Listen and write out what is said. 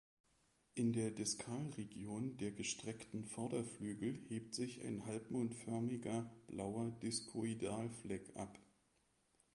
In der Diskalregion der gestreckten Vorderflügel hebt sich ein halbmondförmiger blauer Diskoidalfleck ab.